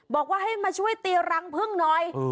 บอกว่าให้มาช่วยตีรังพึ่งหน่อย